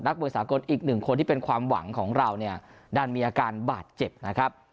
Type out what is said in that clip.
นักบริษัทอีกหนึ่งคนที่เป็นความหวังของเราน่านมีอาการบาดเจ็บนะครับ